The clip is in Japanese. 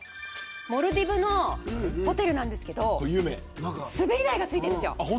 モルディブのホテルなんですけどすべり台が付いてるんですよ。